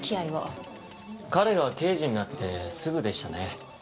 彼が刑事になってすぐでしたね。